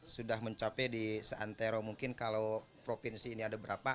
sudah mencapai di seantero mungkin kalau provinsi ini ada berapa